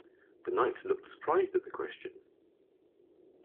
The Knight looked surprised at the question.